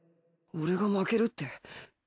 俺が負けるって？